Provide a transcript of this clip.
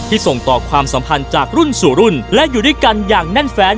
ส่งต่อความสัมพันธ์จากรุ่นสู่รุ่นและอยู่ด้วยกันอย่างแน่นแฟน